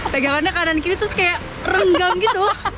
pegangannya kanan kiri terus kayak renggang gitu